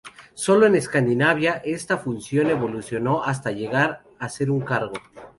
Sólo en Escandinavia esta función evolucionó hasta llegar a ser un cargo.